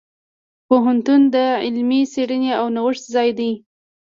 پوهنتون د علمي څیړنې او نوښت ځای دی.